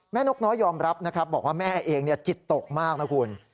นกน้อยยอมรับนะครับบอกว่าแม่เองจิตตกมากนะคุณ